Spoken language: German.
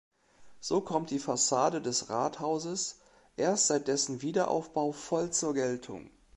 So kommt die Fassade des Rathauses erst seit dessen Wiederaufbau voll zur Geltung.